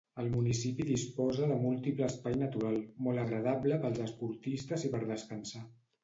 El municipi disposa de múltiple espai natural, molt agradable pels esportistes i per descansar.